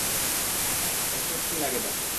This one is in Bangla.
অস্বস্তি লাগে তাতে।